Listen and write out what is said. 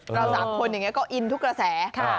เรา๓คนอย่างนี้ก็อินทุกกระแส